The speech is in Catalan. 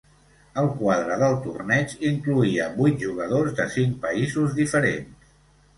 El quadre del torneig incloïa vuit jugadors de cinc països diferents.